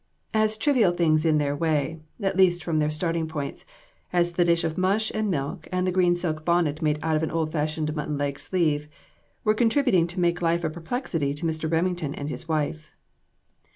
As trivial things in their way, at least from their starting points, as the dish of mush and milk, and the green silk bonnet made out of an old fashioned mutton leg sleeve, were contribu ting to make life a perplexity to Mr. Remington and his wife.